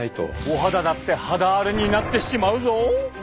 お肌だって肌荒れになってしまうぞ！